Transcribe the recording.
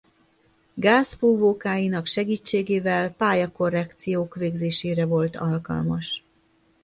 Gázfúvókáinak segítségével pályakorrekciók végzésére volt alkalmas.